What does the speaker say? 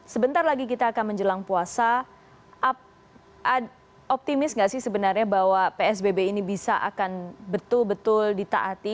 sebentar lagi kita akan menjelang puasa optimis nggak sih sebenarnya bahwa psbb ini bisa akan betul betul ditaati